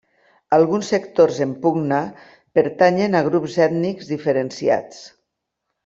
Alguns sectors en pugna pertanyen a grups ètnics diferenciats.